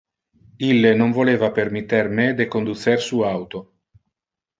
Ille non voleva permitter me de conducer su auto.